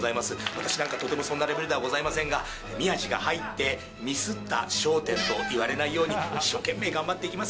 私なんかとてもそんなレベルではございませんが、宮治が入って、ミスった笑点と言われないように、一生懸命、頑張っていきます。